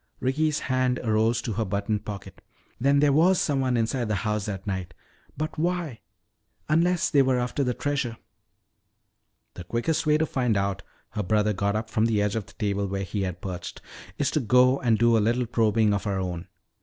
Ricky's hand arose to her buttoned pocket. "Then there was someone inside the house that night. But why unless they were after the treasure!" "The quickest way to find out," her brother got up from the edge of the table where he had perched, "is to go and do a little probing of our own.